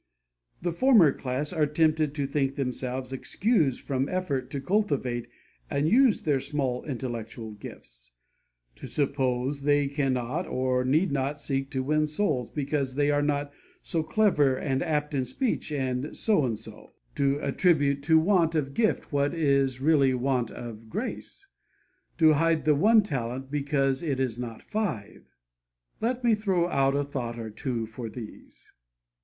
The former class are tempted to think themselves excused from effort to cultivate and use their small intellectual gifts; to suppose they cannot or need not seek to win souls, because they are not so clever and apt in speech as So and so; to attribute to want of gift what is really want of grace; to hide the one talent because it is not five. Let me throw out a thought or two for these.